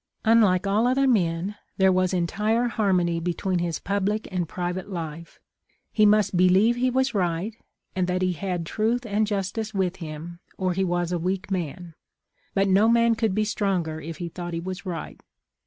" Unlike all other men, there was entire harmony between his public and private life. He must be lieve he was right, and that he had truth and jus tice with him, or he was a weak man ; but no man could be stronger if he thought he was right.